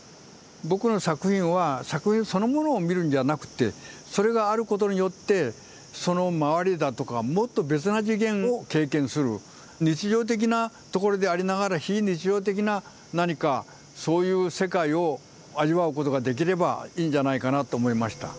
僕の作品は作品そのものを見るんじゃなくてそれがあることによってその周りだとかもっと別な次元を経験する日常的なところでありながら非日常的な何かそういう世界を味わうことができればいいんじゃないかなと思いました。